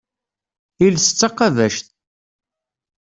Iles d taqabact.